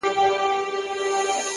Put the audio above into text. زړه سوي عملونه ژور اغېز لري!.